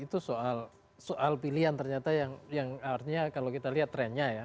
itu soal pilihan ternyata yang artinya kalau kita lihat trennya ya